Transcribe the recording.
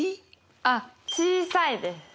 あっ小さいです。